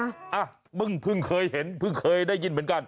อ่ะเพิ่งเคยเห็นเพิ่งเคยได้ยินเหมือนกัน